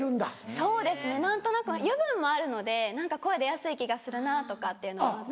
そうですね何となく油分もあるので何か声出やすい気がするなとかっていうのもあって。